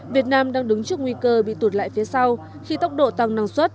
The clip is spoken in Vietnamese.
việt nam đang đứng trước nguy cơ bị tụt lại phía sau khi tốc độ tăng năng suất